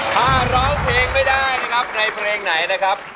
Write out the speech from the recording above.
ถ้าร้องเพลงไม่ได้นะครับในเพลงไหนนะครับ